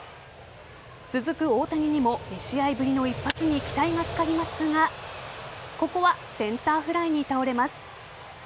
続く大谷にも２試合ぶりの一発に期待がかかりますがここはセンターフライに倒れます。